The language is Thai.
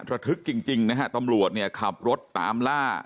ระทึกจริงนะฮะตำรวจเนี่ยขับรถตามล่า